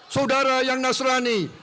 saudara yang nasrallah